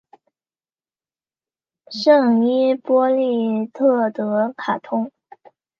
圣伊波利特德卡通。